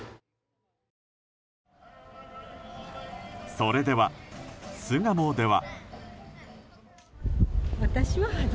それでは巣鴨では。